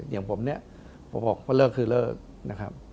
อย่างผมเนี่ยผมบอกว่าเลิกคือเลิกนะครับ